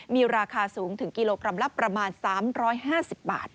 มีราคาสูงถึงกิโลกรัมละประมาณ๓๕๐บาท